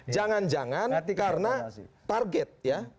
jangan jangan karena target ya